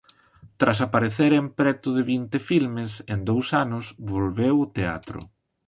Tras aparecer en preto de vinte filmes en dous anos volveu ao teatro.